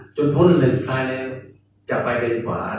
จนพอเร่งซ้ายแล้วจะไปเร่งขวา